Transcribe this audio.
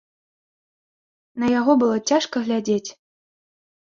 На яго было цяжка глядзець.